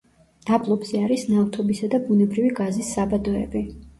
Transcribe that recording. დაბლობზე არის ნავთობისა და ბუნებრივი გაზის საბადოები.